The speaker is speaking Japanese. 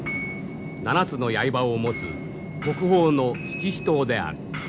７つの刃を持つ国宝の七支刀である。